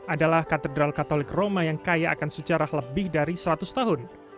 adalah katedral katolik roma yang kaya akan sejarah lebih dari seratus tahun